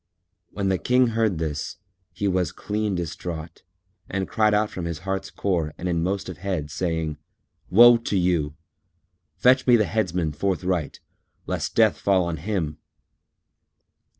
When the King heard this, he was clean distraught and cried out from his heart's core and in most of head, saying, "Woe to you! Fetch me the Headsman forthright, lest death fall on him!"